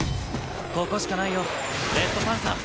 ここしかないよレッドパンサー